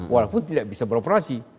walaupun tidak bisa beroperasi